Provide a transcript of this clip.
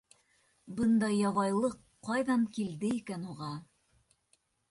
Бындай ябайлыҡ ҡайҙан килде икән уға?